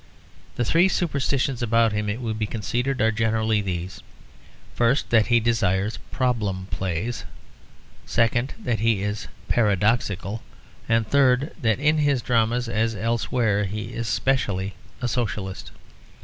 The three superstitions about him, it will be conceded, are generally these: first that he desires "problem plays," second that he is "paradoxical," and third that in his dramas as elsewhere he is specially "a Socialist."